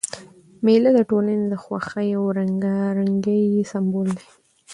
مېله د ټولني د خوښۍ او رنګارنګۍ سېمبول ده.